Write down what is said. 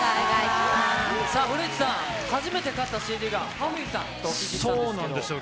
さあ、古市さん、初めて買ったＣＤがパフィーさんとお聞きしたんですけど。